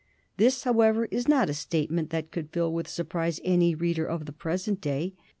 This, however, is not a statement that could fill with surprise any reader of the present day.